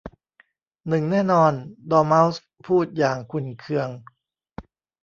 หนึ่งแน่นอน !'ดอร์เม้าส์พูดอย่างขุ่นเคือง